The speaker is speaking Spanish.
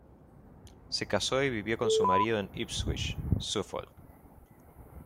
Se casó y vivió con su marido en Ipswich, Suffolk.